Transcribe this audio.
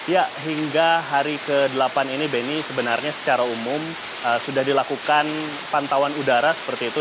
ya hingga hari ke delapan ini benny sebenarnya secara umum sudah dilakukan pantauan udara seperti itu